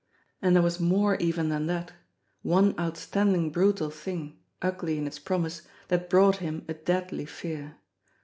And there was more even than that ; one outstanding brutal thing, ugly in its promise, that brought him a deadly fear.